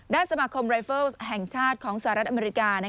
สมาคมรายเฟิลแห่งชาติของสหรัฐอเมริกา